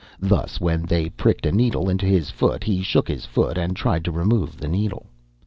Thus, when they pricked a needle into his foot, he shook his foot and tried to remove the needle.